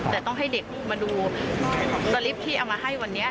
แต่ต้องให้เด็กมาดูสลิปที่เอามาให้วันนี้